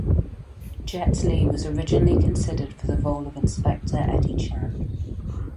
Jet Li was originally considered for the role of Inspector Eddie Chan.